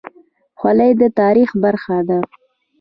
خولۍ د تاریخ برخه ده.